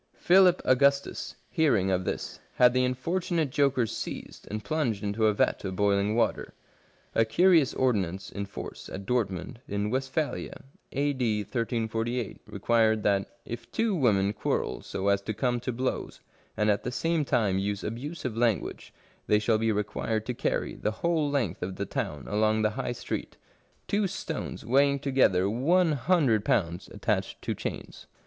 Philip Augustus, hearing of this, had the unfortunate jokers seized and plunged into a vat of boiling water. A curious ordinance in force at Dortmund, in Westphalia, A.D. 1348, required that, " if two women quarrel so as to come to blows, and at the same time use abusive language, they shall be required to carry, the whole length of the town along the High Street, two stones weighing together one hundred H 97 Curiosities of Olden Times pounds, attached to chains.